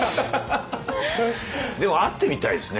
でも会ってみたいですね